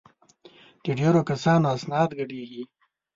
د ډېرو کسانو اسناد ګډېږي.